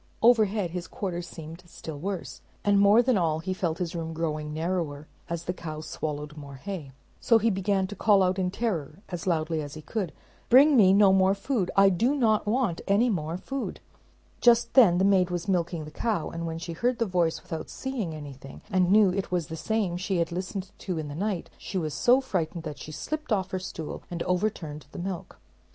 Overhead his quarters seemed still worse, and more than all, he felt his room growing narrower, as the cow swallowed more hay. So he began to call out in terror as loudly as he could, "Bring me no more food. I do not want any more food!" Just then the maid was milking the cow, and when she heard the voice without seeing anything, and knew it was the same she had listened to in the night, she was so frightened that she slipped off her stool and overturned the milk.